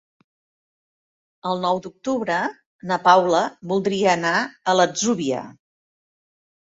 El nou d'octubre na Paula voldria anar a l'Atzúbia.